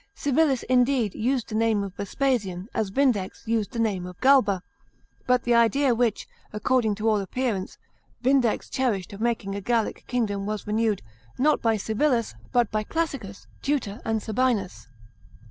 Civilis indeed used the name of Vespasian, as Vindex used the name of Galba ; but the idea which, according to all appearance, Vindex cherished of making a Gallic kingdom was renewed, not by Civilis, but by Classicus, Tutor, and Sabinus.